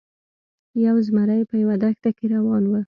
یو زمری په یوه دښته کې روان و.